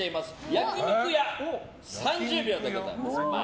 焼肉屋、３０秒でございます。